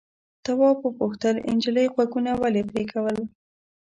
تواب وپوښتل نجلۍ غوږونه ولې پرې کول.